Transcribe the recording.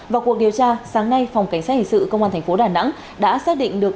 vào cuộc điều tra sáng nay phòng cảnh sát hình sự công an thành phố đà nẵng đã xác định được